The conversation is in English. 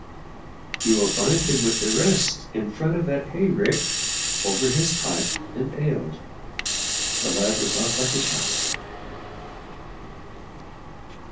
"You'll find him with the rest, in front of that hay rick, over his pipe and ale." The lad was off like a shot.